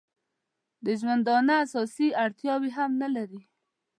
د ژوندانه اساسي اړتیاوې هم نه لري.